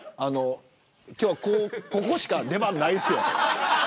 今日はここしか出番ないですよ。